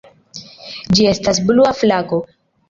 Ĝi estas blua flago.